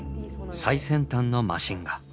最先端のマシンが！